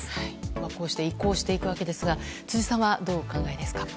こうして移行していくわけですが辻さんはどうお考えですか？